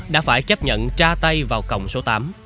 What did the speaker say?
đã phải chấp nhận tra tay vào cổng số tám